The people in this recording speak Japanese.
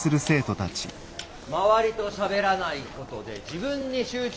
周りとしゃべらないことで自分に集中する。